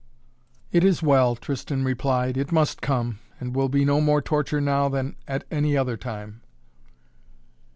"It is well," Tristan replied. "It must come, and will be no more torture now than any other time."